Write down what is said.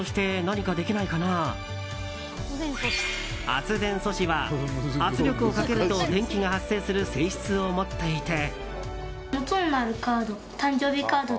圧電素子は圧力をかけると電子が発生する性質を持っていて。